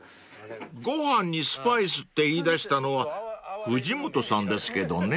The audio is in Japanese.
［ご飯にスパイスって言いだしたのは藤本さんですけどね］